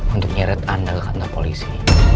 untuk nyiret anda ke kantor polisi